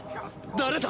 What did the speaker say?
誰だ！？